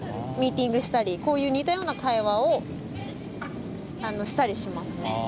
ミーティングしたりこういう似たような会話をあのしたりしますね。